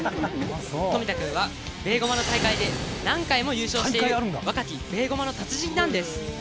富田君はベーゴマの大会で何回も優勝している若きベーゴマの達人なんです！